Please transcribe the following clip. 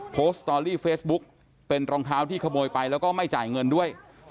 สตอรี่เฟซบุ๊กเป็นรองเท้าที่ขโมยไปแล้วก็ไม่จ่ายเงินด้วย